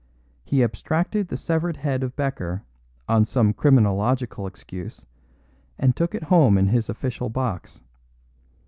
He abstracted the severed head of Becker on some criminological excuse, and took it home in his official box.